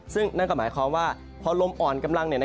ซึ่งนั่นก็หมายความว่าพอลมอ่อนกำลัง